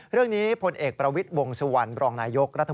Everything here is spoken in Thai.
เรื่องนี้พลเอกประวิทย์วงสุวรรณบรองนายกรัฐมนตรี